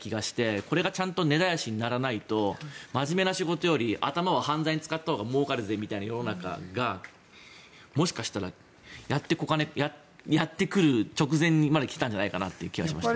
これがちゃんと根絶やしにならないと真面目な仕事より頭を犯罪に使ったほうがもうかるぜみたいな世の中がもしかしたらやってくる直前まで来たんじゃないかという気がしました。